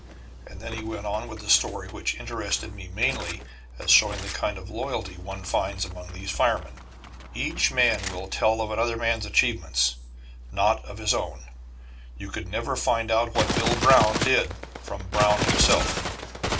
And then he went on with the story, which interested me mainly as showing the kind of loyalty one finds among these firemen. Each man will tell of another man's achievements, not of his own. You could never find out what Bill Brown did from Brown himself.